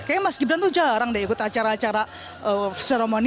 kayaknya mas gibran tuh jarang deh ikut acara acara seremoni